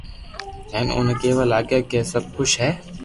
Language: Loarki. ھين اوني ڪيوا لاگيا ڪي سب خوݾ ھي